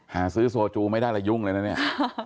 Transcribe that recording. หาซื้อโซจูไม่ได้แล้วยุ่งเลยนะเนี่ย